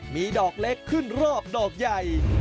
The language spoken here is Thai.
มีดอกเล็กขึ้นรอบดอกใหญ่